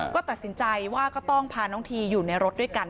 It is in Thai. ก็ตัดสินใจว่าก็ต้องพาน้องทีอยู่ในรถด้วยกัน